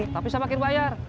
tapi siapa kirbayar